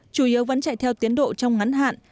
chủ yếu vẫn chạy theo tiến độ trong ngắn hạn